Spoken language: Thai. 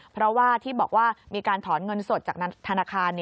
เพราะว่าที่บอกว่ามีการถอนเงินสดจากธนาคาร